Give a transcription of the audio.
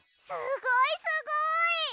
すごいすごい！